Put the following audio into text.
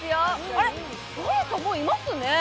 あれっ、誰かもういますね。